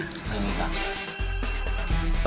ไม่มีครับ